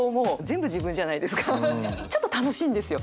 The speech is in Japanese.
ちょっと楽しいんですよ。